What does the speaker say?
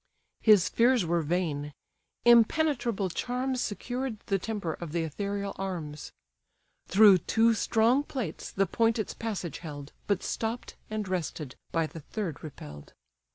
His fears were vain; impenetrable charms Secured the temper of the ethereal arms. Through two strong plates the point its passage held, But stopp'd, and rested, by the third repell'd.